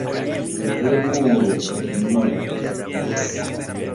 Remoro: "Ne!"